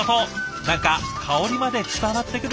何か香りまで伝わってくる感じ！